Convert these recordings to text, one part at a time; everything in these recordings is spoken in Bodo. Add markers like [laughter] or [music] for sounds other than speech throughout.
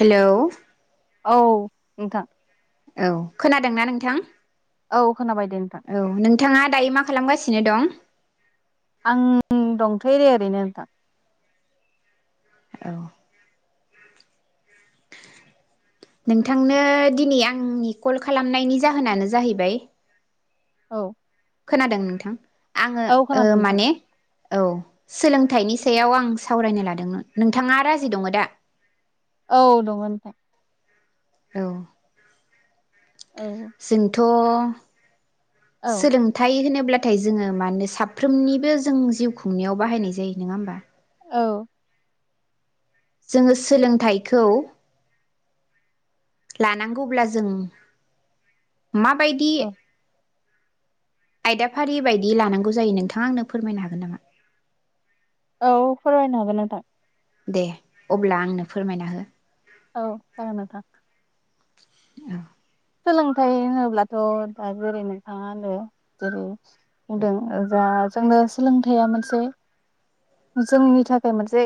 हेलौ। औ नोंथां। औ खोनादोंना नोंथां। औ खोनाबाय दे नोंथां औ नोंथांङा दायो मा खालामगासि सिनो दं? आं दंथ'यो दे ओरैनो नोंथां। औ। नोंथांनो दिनै आंनि कल खालामनायनि जाहोनानो जाहैबाय औ। खोनादों नोंथां आङो औ खोनादों ओ नोंथां माने औ सोलों थाइनि सायाव आं सावरायनो लादोङो नोंथाङा राजि दङ दा? औ दङ नोंथां। औ । औ जोंथ' अ' औ सोलोंथाइ होनोब्ला थाय जोङो माने साफ्रोमनिबो जों जिउ खुंनायाव बाहायनाय जायो नङा होमबा? औ। जोङो सोलोंथाइखौ लानांगौब्ला जों माबायदि औ आयदाफारि बायदि लानांगौ जायो नोंथाङा आंनो फोरमायनो हागोन नामा? औ फोरमायनो हागोन नोंथां। दे अब्ला आंनो फोरमायना हो। औ जागोन नोंथां। ओं सोलोंथाइ होनोब्लाथ' दा जेरै नोंथाङा होनो जेरै बुंदों जा जोंनो सोलोंथाइया मोनसे जोंनि थाखाय मोनसे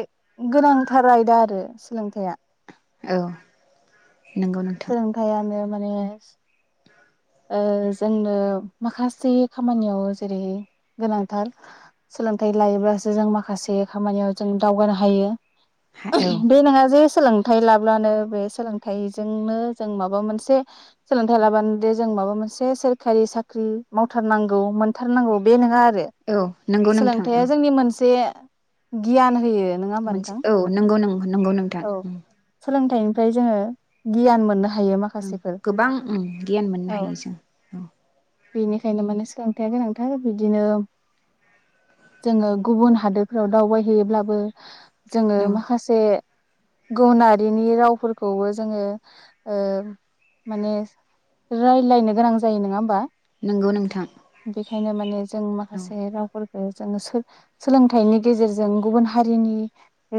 गोनांथार आयदा आरो सोलोंथाइया। औ नंगौ नोंथां सोलोंथायाइानो माने ओ जोंनो माखासे खामानियाव जेरै गोनांथार सोलोंथाइ लायोब्लासो जों माखासे खामानियाव जों दावगानो हायो। औ बे नङा जेस सोलोंथाइ लाब्लानो बे सोलोंथाइजोंनो जों माबा मोनसे सोलोंथाइ लाबान दे जों माबा मोनसे सोरखारि साख्रि मावथारनांगौ मोनथारनांगौ बे नङा आर बे औ नंगौ नोंथां औ सोलोंथाइया जोंनि मोनसे गियान होयो। नङा होमबा मोनसे नोंथां औ नंगौ नों नंगौ नोंथां औ उम। सोलोंथाइनिफ्राय जोङो गियान मोननो हा ओं गोबां ओम गि गियान मोननो औ हायो जों औ। बेनिखायनो माने सोलोंथाया गोनांथार बिदिनो जोङो गुबुन हादोरफोराव दावबाय हैयोब्लाबो जोङो औ माखासे गुबुनारिनि रावफोरखौबो जोङो ओ माने रायलायनो गोनां जायो नङा होमबा। नंगौ नोंथां। खायनो माने स जों औ माखासे रावफोर जोङो सो-सोलोंथाइनि गेजेरजों गुबुन हारिनि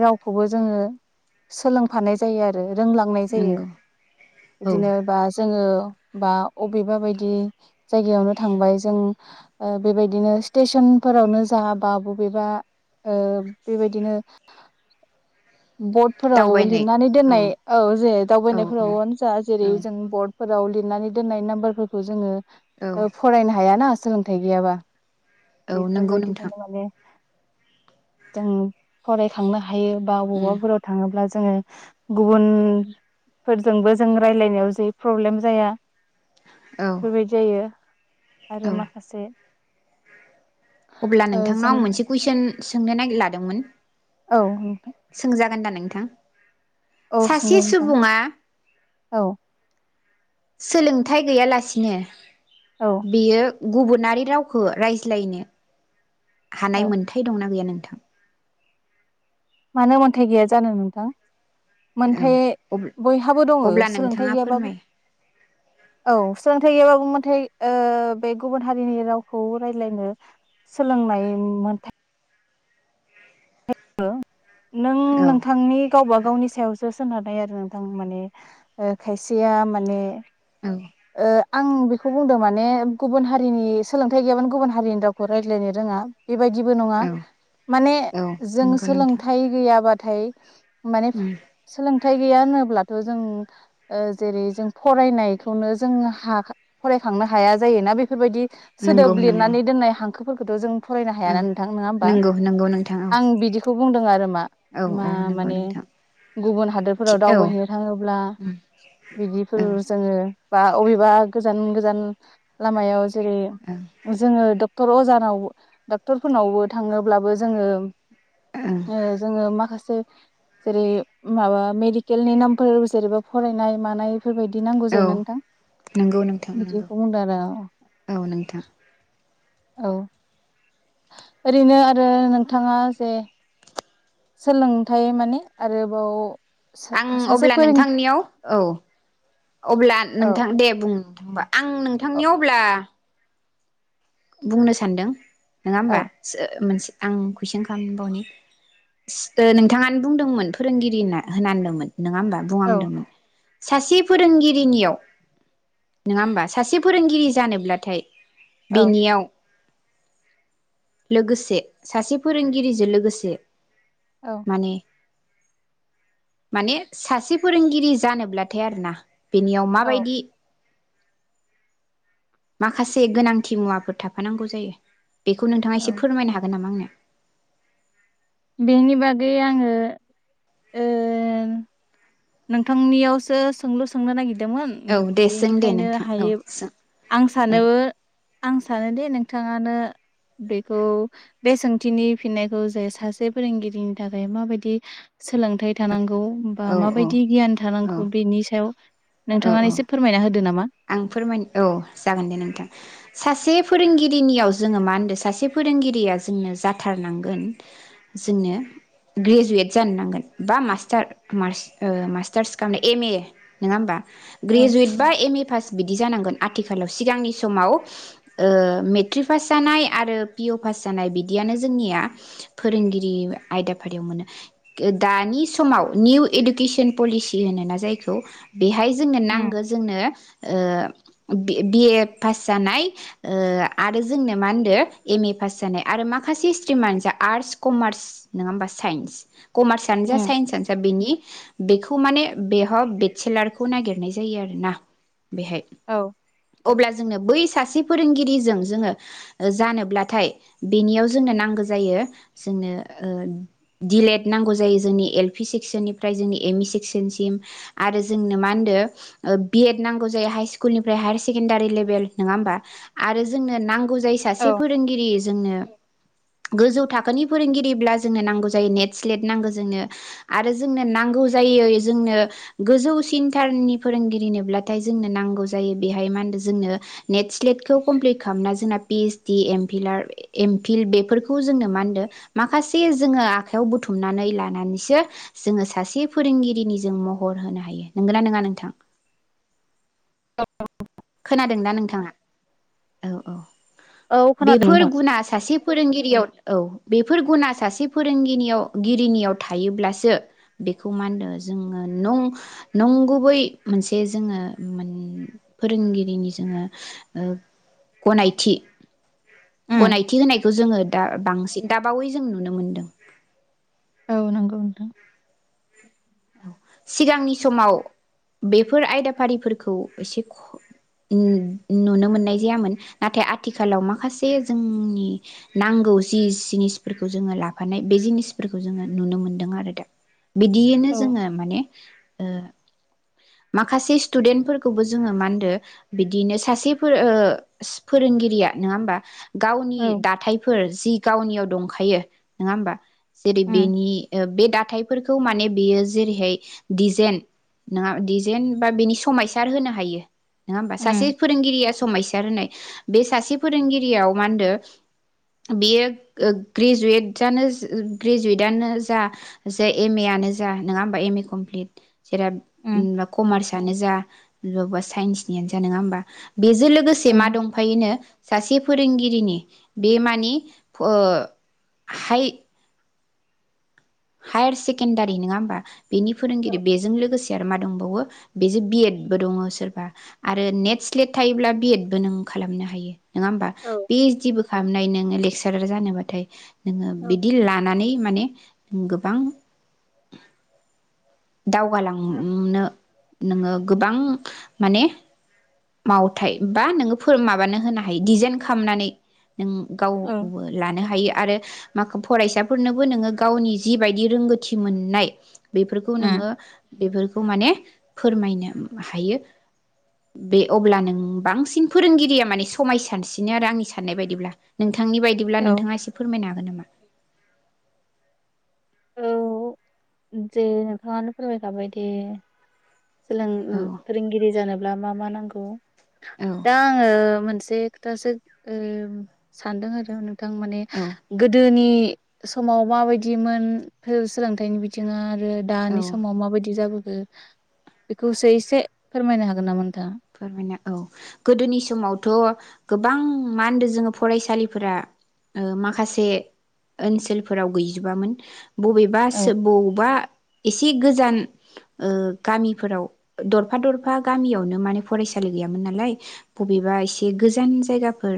रावखौबो जोङो सोलोंफानाय जायो आरो रोंलांनाय जायो नंगौ औ बिदिनोबा जोङो बा अबेबा बायदि जायगायावनो थांबाय जों ओ बेबायदिनो स्टेसनफोरावनो जा बा बबेबा ओं बेबायदिनो बर्डफोराव लिरनानै दोननाय औ जे औ औ दावबायनायफोरावनो जा जेरै औ जों बर्ड फोराव लिरनानै दोननाय नाम्बारफोरखौ औ जोङो फरायनो हायाना। सोलोंथाइ गैयाबा। औ बेफोर नंगौ नोंथां बायदिखायनो माने जों फरायखांनो हायो। बा उम अबावबाफोराव थाङोब्ला जो जोङो गुबुनफोरजोंबो जों रायज्लायनायाव जे प्रब्लेम जाया। औौ हेबायदि जायो। औ आरो माखासे अब्ला ओ जों नोंथांनाव आं मोनसे कुइसन सोंनो नागिर लादोंमोन। औ नों गोनदा नोंथां? सासे सोंलाय नोंथां सुबुङा औ सोलोंथाइ गैयालासिनो। औ बियो गुबुनारि रावखौ रायज्लायनो औ हानाय मोनथाय दंना गैया नों थां। मानो मोन्थाइ गैया जानो नोंथां। औ मोनथाय बयहाबो दङ अब्ला नोंथाङा सोलोंथाइ गैयाबाबो फोरमाय औ सोलोंथाइ गैयाबाबो मोनथाय ओ बे गुबुन हारिनि रावखौ रायज्लायनो सोलोंनाय मोनथाय [unintelligible] नों औ नोंथांनि गावबा गावनि सायावसो सोनारनाय आरो नोंथां माने ओ खायसेया माने औ ओ आं बेखौ बुंदों माने गुबुन हारिनि सोलोंथाइ गैयाबानो गुबुन हारिनि रावखौ रायज्लायनो रोङा। बेबायदिबो नङा औ माने औ जों नंगौ नोंथां सोलोंथाइ गैयाबा थाइ माने उम सोलोंथाइ गैया होनोब्ला थ' जों ओ जेरै जों फरायनाय खौनो जों हा फरायखांनो हाया जायोना बेफोरबायदि नंगौ सोदोब नंगौ लिरनानै दोननाय हां फोरखौथ' जों फरायनो औ हायाना नोंथां नङा होमबा नंगौ नंगौ नोंथां औ आं बिदिखौ बुंदों आरो मा औ मा औ नंगौ माने नोंथां गुबुन हादोरफोराव औ दावबायहैनो थाङोब्ला उम बिदिफोर औ जोङो बा अबेबा गोजान गोजान लामायाव जेरै ओं जोङो द डक्टर अजानाव डाक्टरफोरनावबो थाङोब्लाबो जोङो ओ जोङो माखासे जेरै माबा मेडिकेलनि नामफोर जेरैबा फरायनाय मानाय बेफोरबायदि नांगौ जायोना नो नोंगौ नोंथां नोंगौ आरो औ औ नोंथां औ ओरैनो आरो नोंथाङा जे सोलोंथाइ माने आरोबाव आं सासे अब्ला फोरों नोंथांनियाव औ अब्ला औ नोंथां दे बुं होमबा आं औ नोंथांनियाव अब्ला बुंनो सान्दों नङा औ होमबा सो मोनसे आं कुइसन खालामबावनि सि ओ नोंथाङानो बुंदोंमोन फोरोंगिरिना होनानदोंमोन नोङा होमबा औ बुंहांदोंमोन सासे फोरोंगिरिनियाव नङा होमबा सासे फोरोंगिरि जानोब्लाथाय औ बेनियाव लोगोसे सासे फोरोंगिरिजो लोगोसे माने माने सासे फोरोंगिरि जानोब्लाथाय आरो ना बेनियाव औ माबायदि माखासे गोनांथि मुवाफोर थाफानांगौ जायो। बेखौ नोंथाङा एसे औ फोरमायनो हागोन नामा आंनो। बेनि बागै आङो ओन नोंथांनियावसो सोंलु सोंनो नागिद दोंमोन आंनो औ दे सों दे बेनिखायनो नोंथां औ हायोब सों आं औ सानो आं सानोदि नोंथाङनो बेखौ बे सोंथिनि फिननायखौ जे सासे फोरोंगिरिनि थाखाय माबायदि सोलोंथाइ थानांगो औ औ गियान औ थानांगौ बेनि सायाव औ नोंथाङा औ इसे फोरमायना होद दो नामा? आं फोरमायनो औ जागोन दे नोंथां। सासे फोरोंगिरिनियाव जोङो मा होनदों सासे फोरोंगिरिया जोंनो जाथारनांगोन जोंनो ग्रेजुयेट जानो नांगोन बा मास्टार ओ मास्टारस खालामनाय एम ए नोङा ओमबा औ ग्रेजुयेट बा एम ए फास बिदि जानांगोन आथिखालाव सिगांनि समाव ओ मेट्रिक पास जानाय आरो पिअ पास जानाय बिदियानो जोंनिया फोरोंगिरि आयदाफारियाव मोनो दानि समाव निउ इडुकेसन पलिसि होनोना जायखौ बेहाय जोंनो उम नांगौ जोंनो ओ बि बि ए पास जानाय ओ आरो जोंनो मा होनदो एम ए पास जानाय आरो माखासे स्ट्रिमानो जा आर्टस कमार्स नङा ओमबा साइन्स कमार्सआनो जा उम साइन्सआनो जा बेनि बेखौ माने बेह बेटसेलारखौ नागिरनाय जायो आरो ना? बेहाय औ अब्ला जोंनो बै सासे फोरोंगिरिजों जोङो जानोब्लाथाय बेनियाव जोंनो नांगौ जायो जोंनो दिल एड नांगौ जायो जोंनि एल पि सेक्सननिफ्राय जोंनि एमइ सेक्सन सिम आरो जोंनो मा होनदो बि एड नांगौ जाय हाइस्कुलनिफ्राइ हाइर सेकेनदारि लेबेल नोङा ओमबा आरो जोंनो नां गौ जायो सासे औ फोरोंगिरि जोंनो गोजौ थाखोनि फोरोंगिरिब्ला जोंनो नांगौ जायो नेट स्लेट नांगौ जोंनो आरो जोंनो नांगौ जायो जोंनो गोजौ सिनथारनि फोरोंगिरिनोब्लाथाय जोंनो नांगौ जायो बेहाय मा होनदो जोंनो नेट स्लेटखौ कमप्लिट खालामना जोंना पि इदस डि एम फिलार ए एमफिल बेफोरखौ जोंनो मा होनदो माखासे जोङो आखाइयाव बुथुमनानै लानानैसो जोङो सासे फोरोंगिरिनि जों महर होनो हायो नंगौ ना नोङा नोंथां? खोनादोंना नोंथाङा औ औ खोनादों बेफोर नोंथां गुना सासे फोरोंगिरियाव औ बेफोर गुना सासे फोरोंगिनाव गिरिनियाव थायोब्लासो बेखौ मा होनदो जोङो फोरोंगिरिनि जोङो ओ गनायथि उम गनायथि होनायखौ जोङो दा बांसिन दाबावै जों नुनो मोनदों। औ नंगौ नोंथां। सिगांनि समाव बेफोर आयदाफारिफोरखौ एसे खम नु नुनो मोननाय जायामोन नाथाय आथिखालाव माखासे जोंनि नांगौ जि जिनिसफोरखौ जोङो लाफानाय बे जिनिसफोरखौ जोङो नुनो मोनदों आरो दा बिदि औ जोङो माने ओ माखासे स्टुदेन्ट फोरफोरखौबो जोङो मा होनदो बिदिनो सासे फोरों ओ फोरोंगिरिया नङा ओमबा? गावनि औ दाथायफोर जि गावनियाव दंखायो नोङा होमबा? जेरै उम बेनि ओ बे दाथाय फोरखौ माने बेयो जेरैहाय दिजेन नोङा डिजाइन बा बेनि समायसार होनो हायो। नोङा ओमबा सासे उम फोरोंगिरिया समायस बे सासे फोरोंगिरियाव मा होनदो बेयो ग्रेजुयेट ग्रेजुेयेटानो जा जे एम ए आनो जा नङा ओमबा एम ए कमफ्लित जेराब उम बा कमारस आ नो जा बबा बबा साइन्सनियानो जा नङा ओमबा? बेजों लोगोसे औ मा दंफायोनो सासे फोरोंगिरिनि बे मानि फो हाय हायार सेकेन्डारि नङा होमबा बेनि फोरोंगिरि औ बेजों लोगोसे मा दंबावो बेजों बि एद बो दङो सोरबा आरो नेट स्लेट थायोब्ला बि एद बो नों खालामनो हायो। नङा होमबा औ बे जेबो खामनो हायो नोङो लेक्सार जानो बाथाय। नोंङो औ बिदि लानानै माने [inaudible] गोबां दावगालांनो नोंङो गोबां माने मावथाय बा नोंङो माबानो होनो हायो डिजाइन खालामनानै नों गाव औ लानो हायो आरो मा फरायसाफोरनोबो नोंङो गावनि जिबायदि रोंगौथि मोननाय बेफोरखौ उम नोंङो बेफोरखौ माने फोरमायनो हायो बे अब्ला नों बांसिन फोरोंगिरिया माने समाय सानसिनो आरो आंनि साननाय बायदिब्ला नोंथां नोंथांनि बायदिब्ला औ नोंथाङा एसे फोरमायनो हागोन नामा औ दे नोंथाङानो फोरमायखाबाय दे सोलों ओ औ फोरोंगिरि जानोब्ला मा- मा नांगौ नंगौ औ दा आंङो मोनसे से खोथासो ओ सानदों आरो दों माने औ गोदोनि समाव मा बायदिमोन सोलोंथाइनि बि थिंआ आरो दानि औ समाव माबायदि जाबो बेखौसो एसे फोरमायनो हागोन नामा नोंथाङा? फोरमायनो औ गोदोनि समावथ' गोबां मा होनदों जोंङो फरायसालिफोरा ओ माखासे ओनसोलफोराव गैजोबामोन। बबेबासो औ बबेबा एसे गोजान ओ गामिफोराव दरफा दरफा गामियावनो माने फरायसालि गैयामोन नालाय बबेबा एसे गोजान जायगाफोर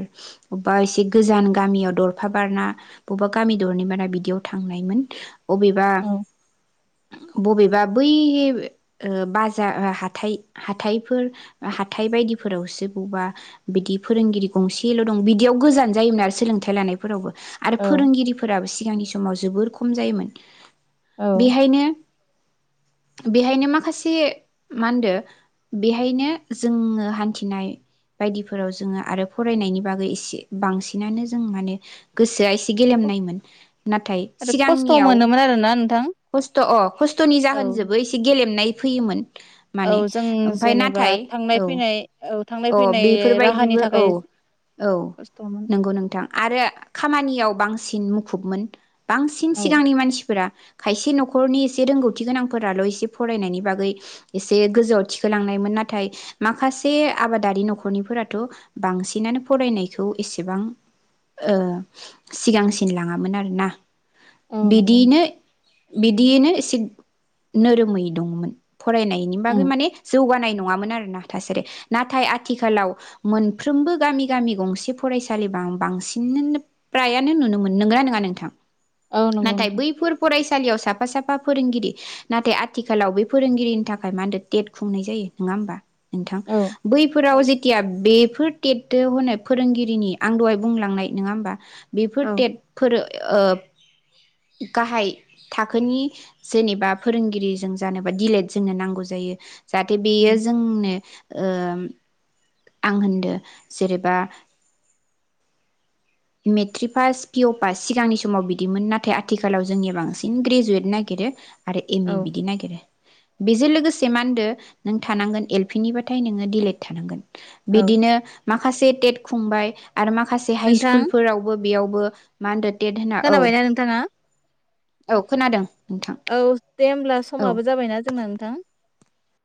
बबेबा एसे गोजान गामियाव दरफ बारना बबेबा गामि दरनै बारना बिदियाव थांनायमोन। अबेबा औ बबेबा बै ओ बाजार हाथाइ हाथाइफोर हाथाय बायदिफोरावसो बबेबा बिदि फोरोंगिरि गंसेल' दं बिदियाव गोजान जायोमोन आरो सोलोंथाइ लानायफोरावबो। आरो औ फोरोंगिरिफोराबो सि सिगांनि समाव जोबोर खम जायोमोन। औ बेहायनो बेहायनो माखासे मा होनदो बेहायनो जोङो हान्थिनाय बायदिफोराव जोङो आरो फरायनायनि बागै एसे बांसिनानो जों माने गोसोआ एस गेलेमनायमोन नाथाय आरो खस्थ' सिगांनियाव मोनोमोन आरोना नोंथां खस्थ' अ खस्थ'नि औ जाहोनजोबो एसे गे फलेबनाय फैयोमोन । औ माने जों ओमफाय जेनेबा नाथाय थांनाय औ फैनाय थांलाय औ फैनाय राहानि बेफोरबायदिबो औ थाखाय औ खस्थ'मोन नंगौ नोंथां आरो खामानियाव बांस सिन मुखुबमोन बांसिन औ सिगांनि मानसि फोरा खायसे न'खरनि एसे रोंगौथि गोनांफोराल' एसे फरायनायनि बागै एसे गोजौआव थिखोलांनायमोन नाथाय माखासे आबादारि न'खरनिफोराथ' बांसिनानो फरायनायखौ एसेबां ओ सिगांसिन लाङामोन आरोना। औ नंगौ बिदिनो नोंथां बिदियैनो एसे नोरोमै दंमोन। फरायनायनि उम बागै माने जौगानाय नङामोन आरोना थासारि नाथाय आथिखालाव मोनफ्रोमबो गामि गामि गंसे फरायसालि बां-बांसिनंओ प्रायानो नुनो मोन नंगना नङा नोंथां? औ नंगौ नाथाय नोंथां । बैफोर फरायसालियाव साफा साफा फोरोंगिरि नाथाय आथिखालाव बे फोरोंगिरिनि थाखाय मा होनदो टेट खुंनाय जायो नङा होमबा? नोंथां औ बैफोराव जि टिया बेफोर टेट होनाय फोरोंगिरिनि आं दहाय बुंलांनाय नङा होमबा? बेफोर औ टेटफोरो ओ गाहाय थाखोनि जेनेबा फोरोंगिरि जों जानोबा दिलेट जोंनो नांगौ जायो जाहाथे बेयो जोंनो ओ आं होन्दो जेरैबा मेट्रिक पास पिअ पास सिगांनि समाव बिदिमोन नाथाय आथिखालाव जोंनिया बांसिन ग्रेजुवेट नागिरो आरो एम ए औ बिदि नागिरो बेजों लोगोसे मा होनदो नों थानांगोन एल पि निबाथाय नोङो दिलेट थानांगोन ‌। औ बिदिनो माखासे टेट खुंबाय आरो माखासे हाइ सुक नोंथां कुलफोरावबो बेयावबो मा होनदो टेट होना औ खोनाबायना नोंथाङा। औ खोनादों। नोंथां औ। दे होमब्ला औ समाबो जाबायना जोंना नोंथां।